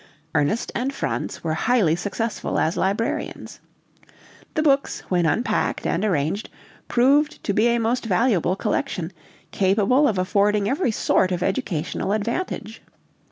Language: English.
Ernest and Franz were highly successful as librarians. The books, when unpacked and arranged, proved to be a most valuable collection, capable of affording every sort of educational advantage.